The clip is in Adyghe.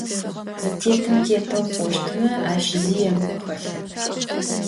Зытетым тетэу пlощтмэ, ащ зи емыкlу хэлъэп